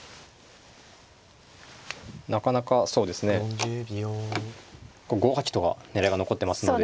なかなかそうですね５八とが狙いが残ってますので。